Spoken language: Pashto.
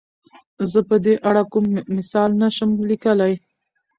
زۀ په دې اړه کوم مثال نه شم ليکلی.